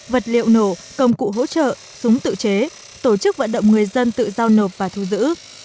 vật liệu nổ công cụ hỗ trợ súng tự chế tổ chức vận động người dân tự giao nộp và thu giữ